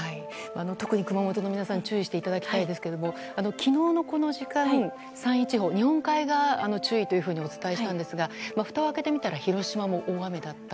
特に熊本の皆さん注意していただきたいですが昨日のこの時間山陰地方、日本海側が注意とお伝えしたんですがふたを開けてみたら広島も大雨だった。